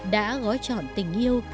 đã gói chọn tình yêu